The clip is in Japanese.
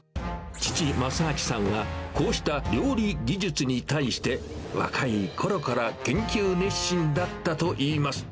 父、まさあきさんがこうした料理技術に対して、若いころから研究熱心だったといいます。